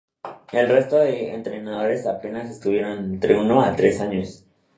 El resto de entrenadores apenas estuvieron entre uno a tres años.